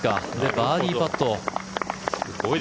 バーディーパット。